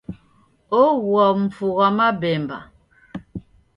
Ogua mfu ghwa mabemba.